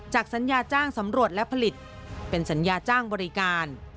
สัญญาจ้างสำรวจและผลิตเป็นสัญญาจ้างบริการ